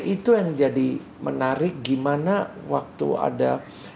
itu yang jadi menarik gimana waktu ada